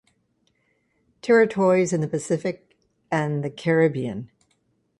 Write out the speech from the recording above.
Territories in the Pacific and the Caribbean.